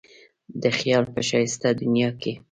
د خیال په ښایسته دنیا کې.